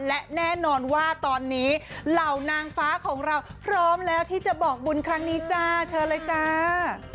และแน่นอนว่าตอนนี้เหล่านางฟ้าของเราพร้อมแล้วที่จะบอกบุญครั้งนี้จ้าเชิญเลยจ้า